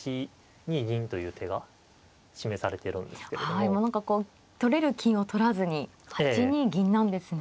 もう何かこう取れる金を取らずに８二銀なんですね。